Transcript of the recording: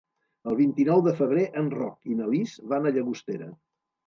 El vint-i-nou de febrer en Roc i na Lis van a Llagostera.